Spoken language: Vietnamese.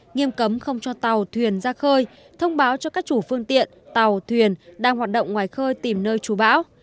nghiêm cấm không cho tàu thuyền ra khơi thông báo cho các chủ phương tiện tàu thuyền đang hoạt động ngoài khơi tìm nơi trú bão